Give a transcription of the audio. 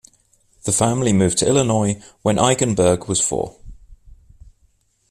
The family moved to Illinois when Eigenberg was four.